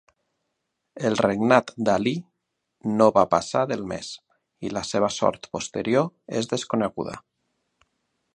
El regnat d'Ali no va passar del mes, i la seva sort posterior és desconeguda.